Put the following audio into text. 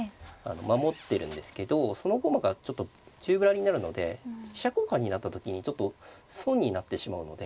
守ってるんですけどその駒がちょっと宙ぶらりんになるので飛車交換になった時にちょっと損になってしまうので。